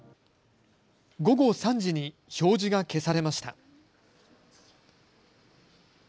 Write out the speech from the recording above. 午後３時に表示が消されました。